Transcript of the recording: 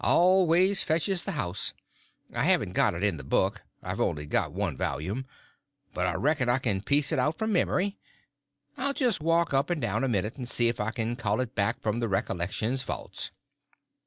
Always fetches the house. I haven't got it in the book—I've only got one volume—but I reckon I can piece it out from memory. I'll just walk up and down a minute, and see if I can call it back from recollection's vaults."